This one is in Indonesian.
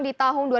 di tahun ini ya